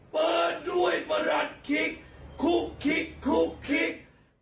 เปิดด้วยประหลัดคิกคุกคิกคลุกคิก